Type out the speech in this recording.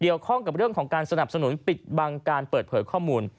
ข้อกับเรื่องของการสนับสนุนปิดบังการเปิดเผยข้อมูล